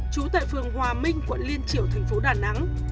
trú tại phường hòa minh quận liên triểu thành phố đà nẵng